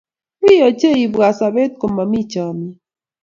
Wiiy ochei ibwat sobeet komami chamnyet